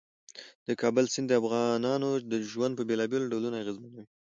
د کابل سیند د افغانانو ژوند په بېلابېلو ډولونو اغېزمنوي.